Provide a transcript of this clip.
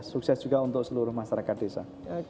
sukses juga untuk seluruh masyarakat desa